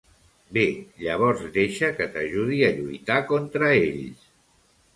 Bé, llavors deixa que t'ajudi a lluitar contra ells.